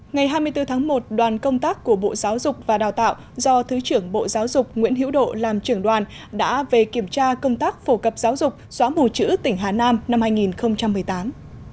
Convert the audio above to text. ngày hai mươi bốn tháng một đoàn công tác của bộ giáo dục và đào tạo do thứ trưởng bộ giáo dục nguyễn hữu độ làm trưởng đoàn đã về kiểm tra công tác phổ cập giáo dục xóa mù chữ tỉnh hà nam năm hai nghìn một mươi tám